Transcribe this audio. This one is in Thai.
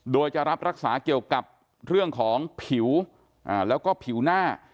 โดยจะรับรักษาเกี่ยวกับเรื่องของผิวแล้วก็ผิวหน้า